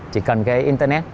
chỉ cần cái internet